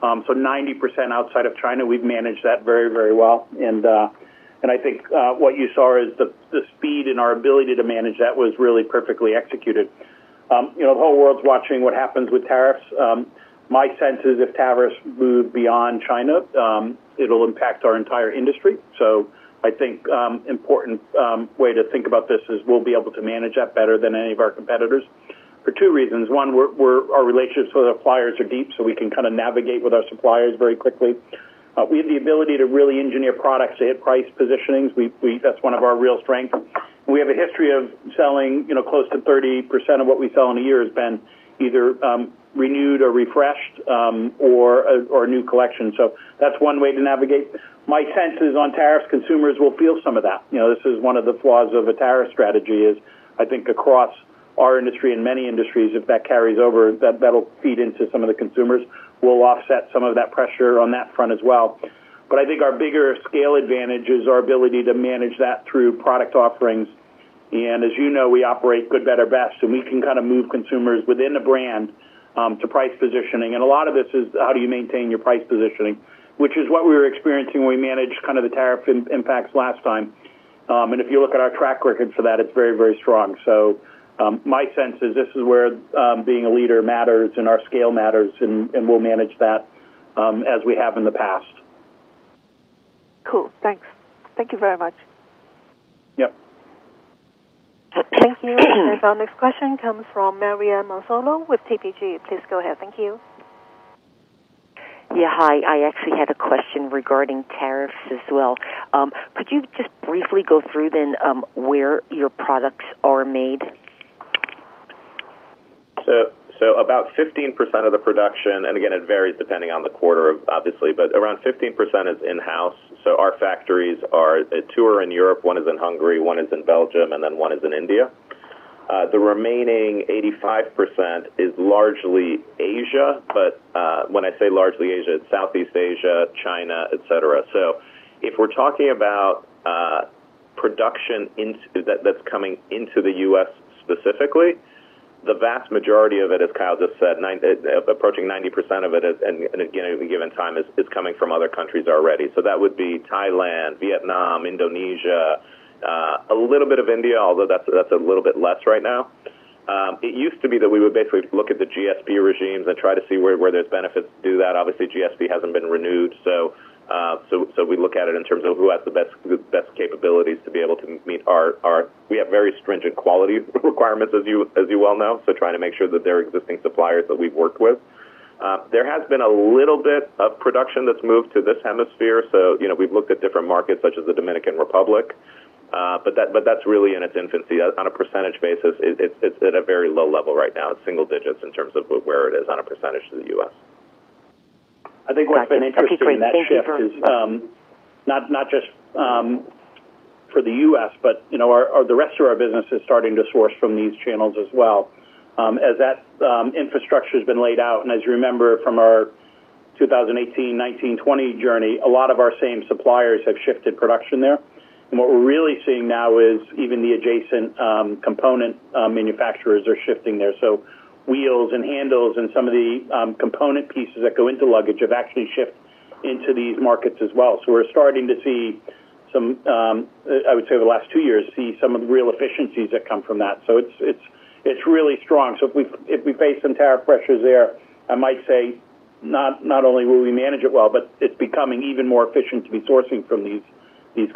Speaker 3: So 90% outside of China, we've managed that very, very well. And I think what you saw is the speed and our ability to manage that was really perfectly executed. The whole world's watching what happens with tariffs. My sense is if tariffs move beyond China, it'll impact our entire industry. So I think an important way to think about this is we'll be able to manage that better than any of our competitors for two reasons. One, our relationships with our suppliers are deep, so we can kind of navigate with our suppliers very quickly. We have the ability to really engineer products to hit price positionings. That's one of our real strengths. We have a history of selling close to 30% of what we sell in a year has been either renewed or refreshed or new collections. So that's one way to navigate. My sense is on tariffs, consumers will feel some of that. This is one of the flaws of a tariff strategy is I think across our industry and many industries, if that carries over, that'll feed into some of the consumers. We'll offset some of that pressure on that front as well. But I think our bigger scale advantage is our ability to manage that through product offerings. And as you know, we operate good, better, best. And we can kind of move consumers within the brand to price positioning. And a lot of this is how do you maintain your price positioning, which is what we were experiencing when we managed kind of the tariff impacts last time. And if you look at our track record for that, it's very, very strong. So my sense is this is where being a leader matters and our scale matters, and we'll manage that as we have in the past. Cool. Thanks. Thank you very much. Yep.
Speaker 1: Thank you. And our next question comes from Marianne Marzolla with TPG. Please go ahead. Thank you. Yeah. Hi. I actually had a question regarding tariffs as well. Could you just briefly go through then where your products are made?
Speaker 4: So about 15% of the production, and again, it varies depending on the quarter, obviously, but around 15% is in-house. So our factories are two in Europe, one is in Hungary, one is in Belgium, and then one is in India. The remaining 85% is largely Asia. But when I say largely Asia, it's Southeast Asia, China, etc. So if we're talking about production that's coming into the U.S. specifically, the vast majority of it, as Kyle just said, approaching 90% of it at any given time is coming from other countries already. So that would be Thailand, Vietnam, Indonesia, a little bit of India, although that's a little bit less right now. It used to be that we would basically look at the GSP regimes and try to see where there's benefits to do that. Obviously, GSP hasn't been renewed. We look at it in terms of who has the best capabilities to be able to meet our very stringent quality requirements, as you well know, so trying to make sure that they're existing suppliers that we've worked with. There has been a little bit of production that's moved to this hemisphere. We've looked at different markets such as the Dominican Republic, but that's really in its infancy. On a percentage basis, it's at a very low level right now. It's single digits in terms of where it is on a percentage of the U.S.
Speaker 3: I think what's been interesting is not just for the U.S., but the rest of our business is starting to source from these channels as well. As that infrastructure has been laid out, and as you remember from our 2018, 2019, 2020 journey, a lot of our same suppliers have shifted production there. And what we're really seeing now is even the adjacent component manufacturers are shifting there. So wheels and handles and some of the component pieces that go into luggage have actually shifted into these markets as well. So we're starting to see some, I would say over the last two years, of the real efficiencies that come from that. So it's really strong. So if we face some tariff pressures there, I might say not only will we manage it well, but it's becoming even more efficient to be sourcing from these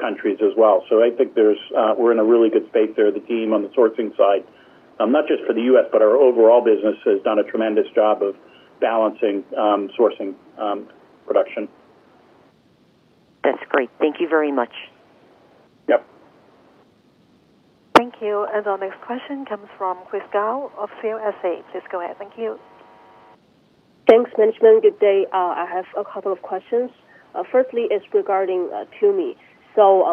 Speaker 3: countries as well. So I think we're in a really good space there. The team on the sourcing side, not just for the U.S., but our overall business has done a tremendous job of balancing sourcing production. That's great. Thank you very much. Yep.
Speaker 1: Thank you. And our next question comes from Chris Gao of CLSA. Please go ahead. Thank you.
Speaker 5: Thanks, Management. Good day. I have a couple of questions. Firstly is regarding TUMI. So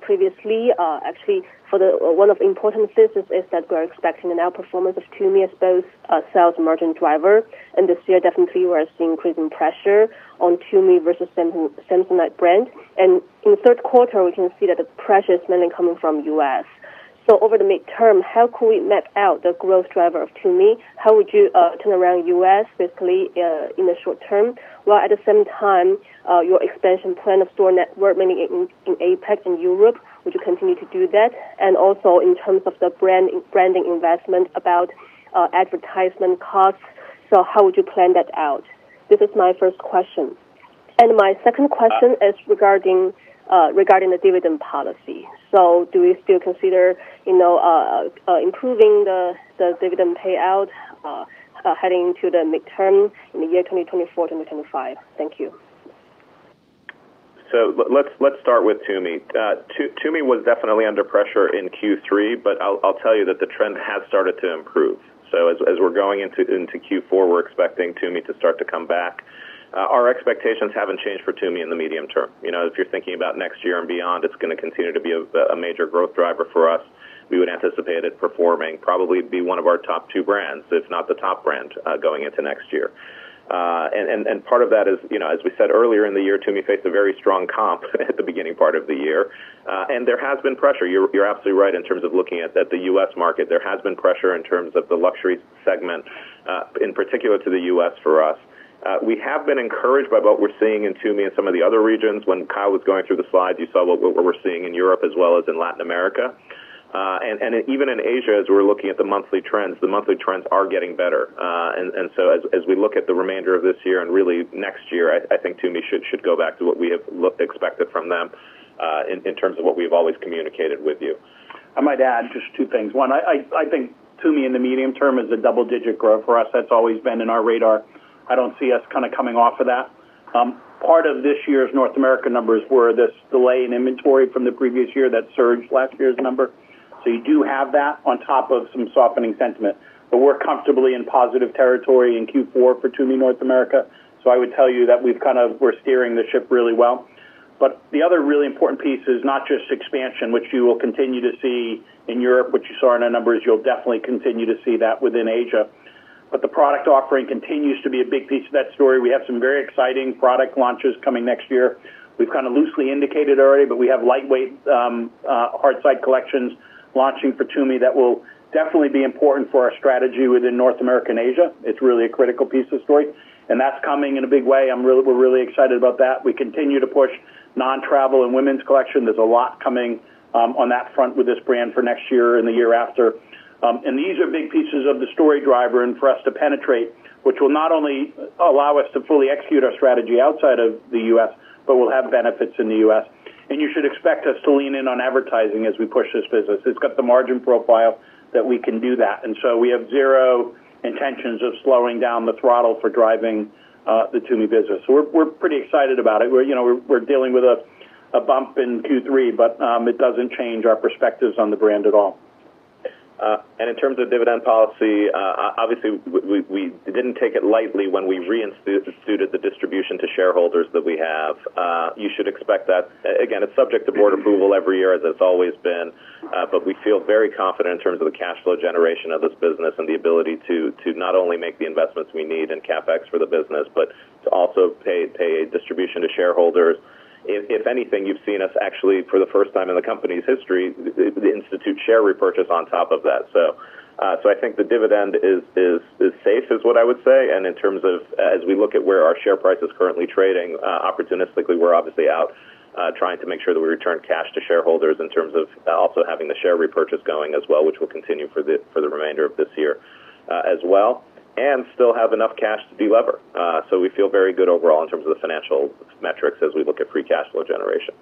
Speaker 5: previously, actually, one of the important things is that we're expecting an outperformance of TUMI as both a sales margin driver. And this year, definitely, we're seeing increasing pressure on TUMI versus Samsonite brand. And in the third quarter, we can see that the pressure is mainly coming from the U.S.. So over the midterm, how could we map out the growth driver of TUMI? How would you turn around U.S., basically, in the short term? While at the same time, your expansion plan of store network, mainly in APAC and Europe, would you continue to do that? And also in terms of the branding investment about advertisement costs, so how would you plan that out? This is my first question. And my second question is regarding the dividend policy. So do you still consider improving the dividend payout heading into the midterm in the year 2024, 2025? Thank you.
Speaker 4: So let's start with TUMI. TUMI was definitely under pressure in Q3, but I'll tell you that the trend has started to improve. So as we're going into Q4, we're expecting TUMI to start to come back. Our expectations haven't changed for TUMI in the medium term. If you're thinking about next year and beyond, it's going to continue to be a major growth driver for us. We would anticipate it performing, probably be one of our top two brands, if not the top brand, going into next year. And part of that is, as we said earlier in the year, TUMI faced a very strong comp at the beginning part of the year. And there has been pressure. You're absolutely right in terms of looking at the U.S. market. There has been pressure in terms of the luxury segment, in particular to the U.S. for us. We have been encouraged by what we're seeing in TUMI and some of the other regions. When Kyle was going through the slides, you saw what we're seeing in Europe as well as in Latin America. And even in Asia, as we're looking at the monthly trends, the monthly trends are getting better. And so as we look at the remainder of this year and really next year, I think TUMI should go back to what we have expected from them in terms of what we've always communicated with you.
Speaker 3: I might add just two things. One, I think TUMI in the medium term is a double-digit growth for us. That's always been in our radar. I don't see us kind of coming off of that. Part of this year's North America numbers were this delay in inventory from the previous year that surged last year's number. So you do have that on top of some softening sentiment. But we're comfortably in positive territory in Q4 for TUMI North America. So I would tell you that we're steering the ship really well. But the other really important piece is not just expansion, which you will continue to see in Europe, which you saw in our numbers. You'll definitely continue to see that within Asia. But the product offering continues to be a big piece of that story. We have some very exciting product launches coming next year. We've kind of loosely indicated already, but we have lightweight hardside collections launching for TUMI that will definitely be important for our strategy within North America and Asia. It's really a critical piece of the story. And that's coming in a big way. We're really excited about that. We continue to push non-travel and women's collection. There's a lot coming on that front with this brand for next year and the year after. And these are big pieces of the story driver and for us to penetrate, which will not only allow us to fully execute our strategy outside of the U.S., but we'll have benefits in the U.S. And you should expect us to lean in on advertising as we push this business. It's got the margin profile that we can do that. And so we have zero intentions of slowing down the throttle for driving the TUMI business. So we're pretty excited about it. We're dealing with a bump in Q3, but it doesn't change our perspectives on the brand at all.
Speaker 4: And in terms of dividend policy, obviously, we didn't take it lightly when we reinstituted the distribution to shareholders that we have. You should expect that. Again, it's subject to board approval every year, as it's always been. But we feel very confident in terms of the cash flow generation of this business and the ability to not only make the investments we need and CapEx for the business, but to also pay distribution to shareholders. If anything, you've seen us actually, for the first time in the company's history, institute share repurchase on top of that. So I think the dividend is safe, is what I would say. And in terms of as we look at where our share price is currently trading, opportunistically, we're obviously out trying to make sure that we return cash to shareholders in terms of also having the share repurchase going as well, which will continue for the remainder of this year as well, and still have enough cash to deliver. So we feel very good overall in terms of the financial metrics as we look at free cash flow generation.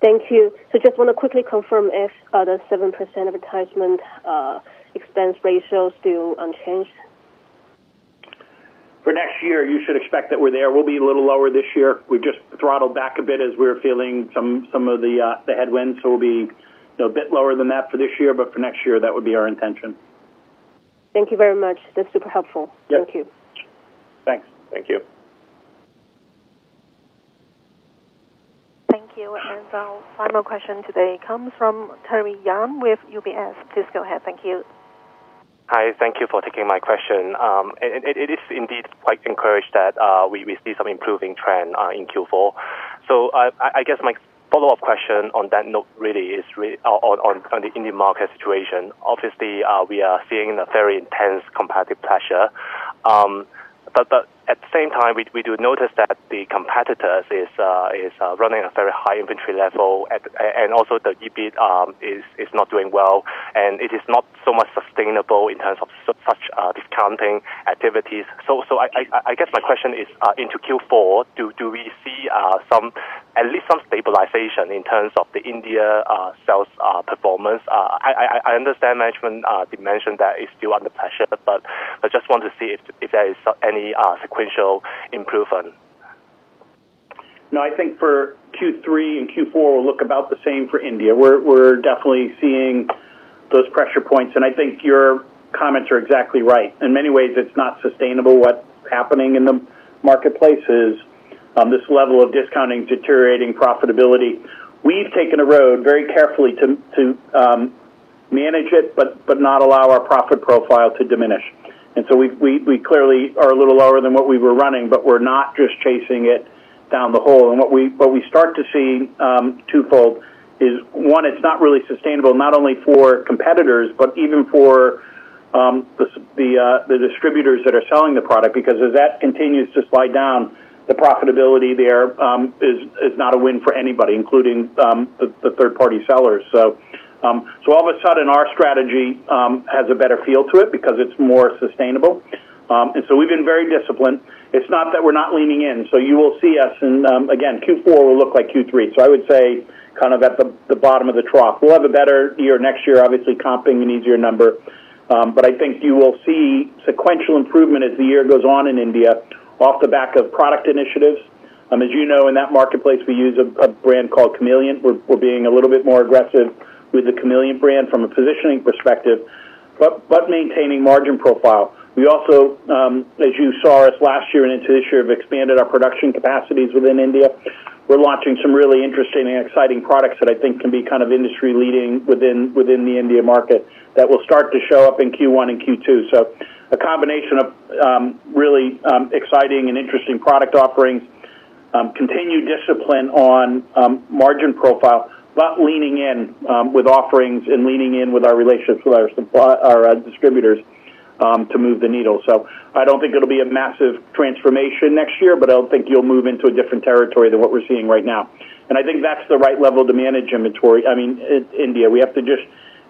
Speaker 5: Thank you. So just want to quickly confirm if the 7% advertisement expense ratio is still unchanged?
Speaker 3: For next year, you should expect that we're there. We'll be a little lower this year. We've just throttled back a bit as we're feeling some of the headwinds. So we'll be a bit lower than that for this year. But for next year, that would be our intention.
Speaker 5: Thank you very much. That's super helpful. Thank you.
Speaker 3: Thanks.
Speaker 4: Thank you.
Speaker 1: Thank you. And our final question today comes from Perry Yeung with UBS. Please go ahead. Thank you.
Speaker 6: Hi. Thank you for taking my question. It is indeed quite encouraging that we see some improving trend in Q4. So I guess my follow-up question on that note really is on the Indian market situation. Obviously, we are seeing a very intense competitive pressure. But at the same time, we do notice that the competitors are running a very high inventory level, and also the EBIT is not doing well. And it is not so much sustainable in terms of such discounting activities. So I guess my question is, into Q4, do we see at least some stabilization in terms of the India sales performance? I understand, Management, you mentioned that it's still under pressure, but I just want to see if there is any sequential improvement?
Speaker 3: No, I think for Q3 and Q4, we'll look about the same for India. We're definitely seeing those pressure points. And I think your comments are exactly right. In many ways, it's not sustainable. What's happening in the marketplace is this level of discounting, deteriorating profitability. We've taken a road very carefully to manage it, but not allow our profit profile to diminish. And so we clearly are a little lower than what we were running, but we're not just chasing it down the hole. And what we start to see twofold is, one, it's not really sustainable, not only for competitors, but even for the distributors that are selling the product. Because as that continues to slide down, the profitability there is not a win for anybody, including the third-party sellers. So all of a sudden, our strategy has a better feel to it because it's more sustainable. And so we've been very disciplined. It's not that we're not leaning in. So you will see us, and again, Q4 will look like Q3. So I would say kind of at the bottom of the trough. We'll have a better year next year, obviously comping an easier number. But I think you will see sequential improvement as the year goes on in India off the back of product initiatives. As you know, in that marketplace, we use a brand called Kamiliant. We're being a little bit more aggressive with the Kamiliant brand from a positioning perspective, but maintaining margin profile. We also, as you saw us last year and into this year, have expanded our production capacities within India. We're launching some really interesting and exciting products that I think can be kind of industry-leading within the India market that will start to show up in Q1 and Q2. So a combination of really exciting and interesting product offerings, continued discipline on margin profile, but leaning in with offerings and leaning in with our relationships with our distributors to move the needle. So I don't think it'll be a massive transformation next year, but I don't think you'll move into a different territory than what we're seeing right now. And I think that's the right level to manage inventory. I mean, India, we have to just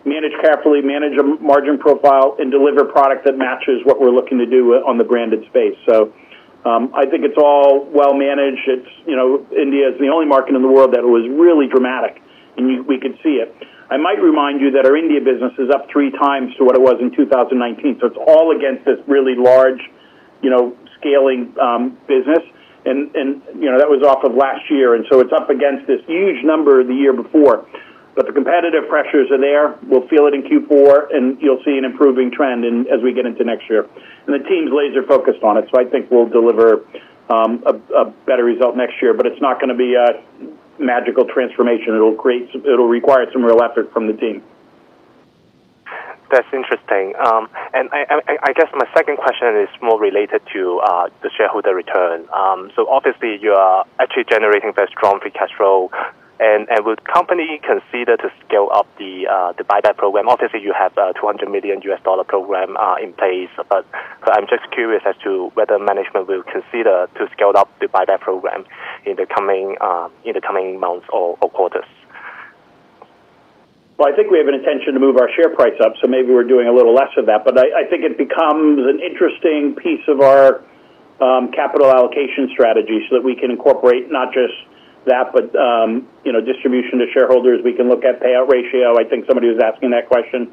Speaker 3: manage carefully, manage a margin profile, and deliver product that matches what we're looking to do on the branded space. So I think it's all well managed. India is the only market in the world that was really dramatic, and we could see it. I might remind you that our India business is up three times to what it was in 2019. So it's all against this really large scaling business. That was off of last year. So it's up against this huge number the year before. The competitive pressures are there. We'll feel it in Q4, and you'll see an improving trend as we get into next year. The team's laser-focused on it. I think we'll deliver a better result next year. It's not going to be a magical transformation. It'll require some real effort from the team.
Speaker 6: That's interesting, and I guess my second question is more related to the shareholder return. So, obviously, you are actually generating very strong free cash flow, and would the company consider to scale up the buyback program? Obviously, you have a $200 million program in place, but I'm just curious as to whether management will consider to scale up the buyback program in the coming months or quarters.
Speaker 3: I think we have an intention to move our share price up. Maybe we're doing a little less of that. I think it becomes an interesting piece of our capital allocation strategy so that we can incorporate not just that, but distribution to shareholders. We can look at payout ratio. I think somebody was asking that question.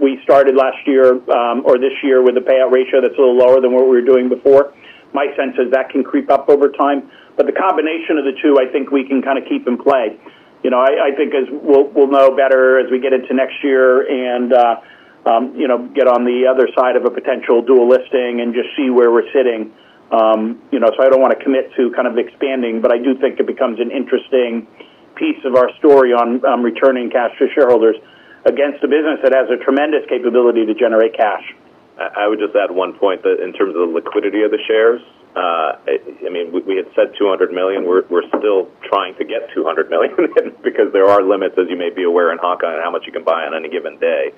Speaker 3: We started last year or this year with a payout ratio that's a little lower than what we were doing before. My sense is that can creep up over time. The combination of the two, I think we can kind of keep in play. I think we'll know better as we get into next year and get on the other side of a potential dual listing and just see where we're sitting. So I don't want to commit to kind of expanding, but I do think it becomes an interesting piece of our story on returning cash to shareholders against a business that has a tremendous capability to generate cash.
Speaker 4: I would just add one point that in terms of the liquidity of the shares, I mean, we had said 200 million. We're still trying to get 200 million because there are limits, as you may be aware, in Hong Kong and how much you can buy on any given day.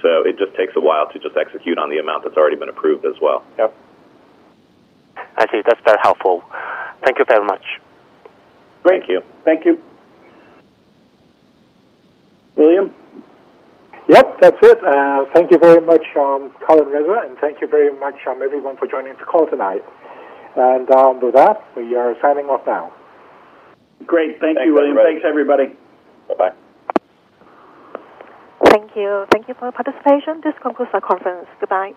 Speaker 4: So it just takes a while to just execute on the amount that's already been approved as well.
Speaker 6: Yep. I see. That's very helpful. Thank you very much.
Speaker 3: Great.
Speaker 4: Thank you.
Speaker 3: Thank you. William?
Speaker 2: Yep, that's it. Thank you very much, Kyle and Reza, and thank you very much, everyone, for joining the call tonight. And with that, we are signing off now.
Speaker 3: Great. Thank you, William. Thanks, everybody.
Speaker 4: Bye-bye.
Speaker 1: Thank you. Thank you for your participation. This concludes our conference. Goodbye.